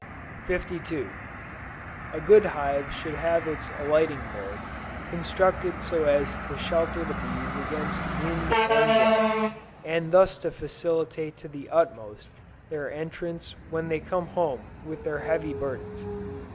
52. A good hive should have its alighting board constructed so as to shelter the bees against wind and wet, and thus to facilitate to the utmost their entrance when they come home with their heavy burdens.